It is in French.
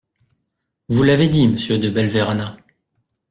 Vous l’avez dit, Monsieur De Belverana.